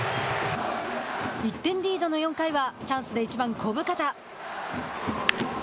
１点リードの４回はチャンスで１番、小深田。